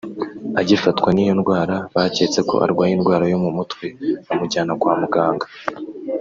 Agifatwa n’iyo ndwara baketse ko arwaye indwara yo mu mutwe bamujyana kwa muganga